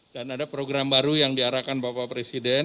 dan ada program baru yang diarahkan bapak presiden